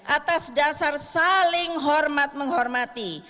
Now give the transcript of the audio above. atas dasar saling hormat menghormati